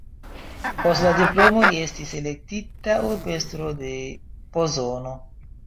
Post la diplomo li estis elektita urbestro de Pozono.